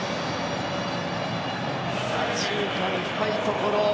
左中間の深いところ。